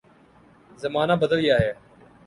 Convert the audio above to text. زمانہ بدل گیا ہے۔